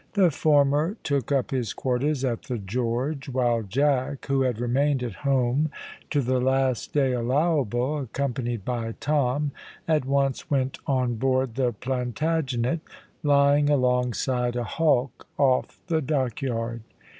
The former took up his quarters at the "George," while Jack, who had remained at home to the last day allowable, accompanied by Tom, at once went on board the Plantagenet, lying alongside a hulk off the dockyard.